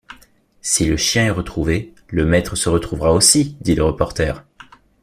Si le chien est retrouvé, le maître se retrouvera aussi! dit le reporter